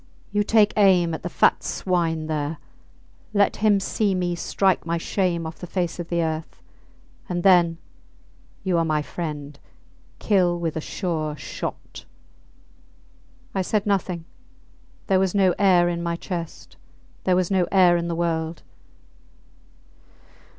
You take aim at the fat swine there. Let him see me strike my shame off the face of the earth and then ... you are my friend kill with a sure shot. I said nothing; there was no air in my chest there was no air in the world.